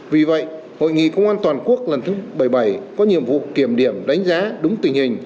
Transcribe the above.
vì vậy hội nghị công an toàn quốc lần thứ bảy mươi bảy có nhiệm vụ kiểm điểm đánh giá đúng tình hình